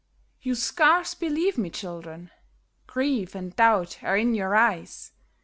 You scarce believe me, children. Grief and doubt are in your eyes.